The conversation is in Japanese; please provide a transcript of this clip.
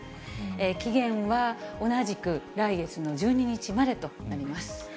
期限は同じく来月の１２日までとなります。